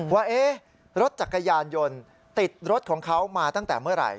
ว่ารถจักรยานยนต์ติดรถของเขามาตั้งแต่เมื่อไหร่